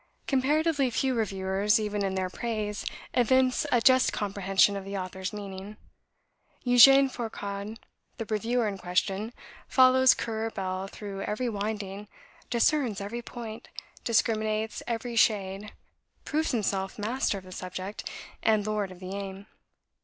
Comparatively few reviewers, even in their praise, evince a just comprehension of the author's meaning. Eugene Forcarde, the reviewer in question, follows Currer Bell through every winding, discerns every point, discriminates every shade, proves himself master of the subject, and lord of the aim.